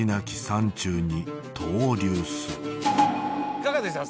いかがでしたか？